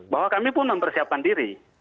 bahwa kami pun mempersiapkan diri